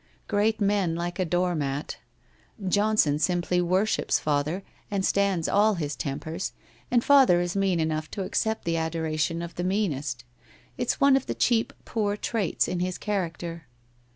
Great men like a doormat. Johnson simply worships father, and stands all his tem pers, and father is mean enough to accept the adoration of the meanest. It's one of the cheap, poor traits in his character.'